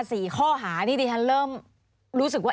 มีความรู้สึกว่ามีความรู้สึกว่า